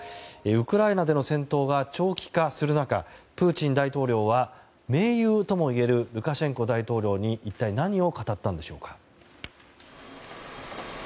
ウクライナでの戦闘が長期化する中プーチン大統領は盟友ともいえるルカシェンコ大統領に一体何を語ったんでしょうか。